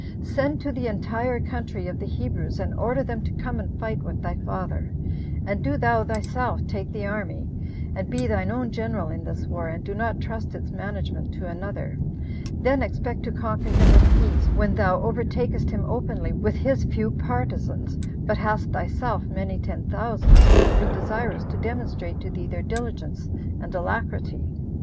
Send to the entire country of the Hebrews, and order them to come and fight with thy father; and do thou thyself take the army, and be thine own general in this war, and do not trust its management to another; then expect to conquer him with ease, when thou overtakest him openly with his few partisans, but hast thyself many ten thousands, who will be desirous to demonstrate to thee their diligence and alacrity.